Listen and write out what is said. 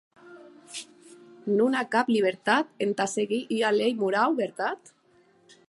Non an cap libertat entà seguir ua lei morau, vertat?